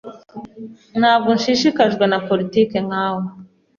Ntabwo nshishikajwe na politiki nkawe.